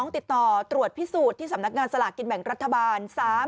ติดต่อตรวจพิสูจน์ที่สำนักงานสลากกินแบ่งรัฐบาล